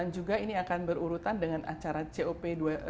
dan juga ini akan berurutan dengan acara cop dua puluh enam